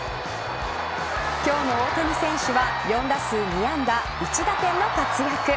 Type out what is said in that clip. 今日の大谷選手は４打数２安打１打点の活躍。